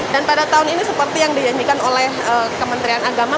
dan pada tahun ini seperti yang dijanjikan oleh kementerian agama